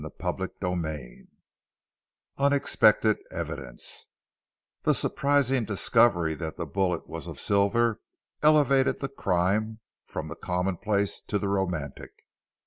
CHAPTER XVII UNEXPECTED EVIDENCE The surprising discovery that the bullet was of silver, elevated the crime from the common place to the romantic.